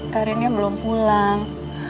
karinnya belum pulang